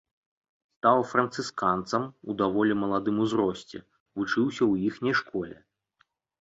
Стаў францысканцам у даволі маладым узросце, вучыўся ў іхняй школе.